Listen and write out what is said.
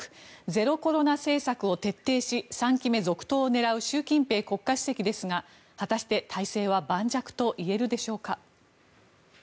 ゼロコロナ政策を徹底し３期目続投を狙う習近平国家主席ですが果たして体制は盤石といえるでしょうか。